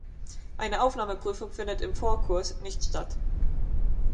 Eine Aufnahmeprüfung findet im Vorkurs nicht statt.